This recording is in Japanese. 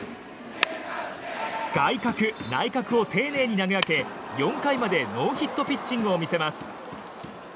外角、内角を丁寧に投げ分け４回までノーヒットピッチングを見せます。